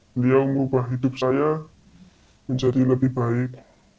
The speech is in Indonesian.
beliau mengubah hidup saya menjadi lebih baik